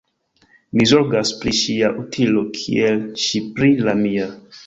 Mi zorgas pri ŝia utilo kiel ŝi pri la mia.